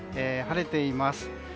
晴れています。